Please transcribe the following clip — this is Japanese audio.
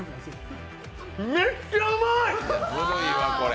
めっちゃうまい！